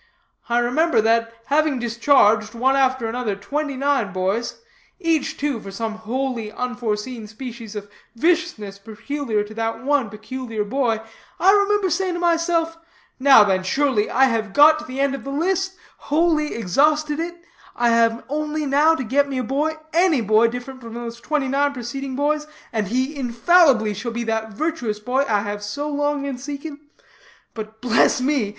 I remember that, having discharged, one after another, twenty nine boys each, too, for some wholly unforeseen species of viciousness peculiar to that one peculiar boy I remember saying to myself: Now, then, surely, I have got to the end of the list, wholly exhausted it; I have only now to get me a boy, any boy different from those twenty nine preceding boys, and he infallibly shall be that virtuous boy I have so long been seeking. But, bless me!